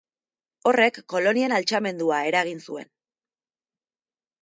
Horrek kolonien altxamendua eragin zuen.